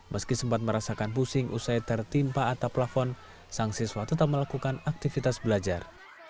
meski sempat merasakan pusing usai tertimpa atap plafon sang siswa tetap melakukan aktivitas belajar